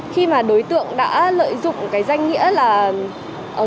khi mà đối tượng đã lợi dụng cái danh nghĩa là